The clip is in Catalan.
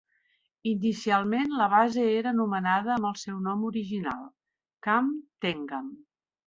Inicialment la base era anomenada amb el seu nom original, Camp Tengan.